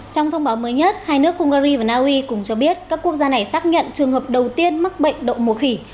trong thông báo mới nhất hai nước hungary và naui cùng cho biết các quốc gia này xác nhận trường hợp đầu tiên mắc bệnh đậu mùa khỉ